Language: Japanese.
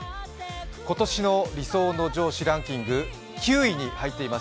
今年の理想の上司ランキング９位にに入っています